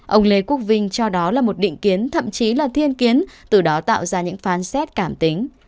ông lê quốc vinh cho đó là một định kiến thậm chí là thiên kiến từ đó tạo ra những phán xét cảm tính